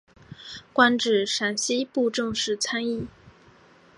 官至陕西布政使参议。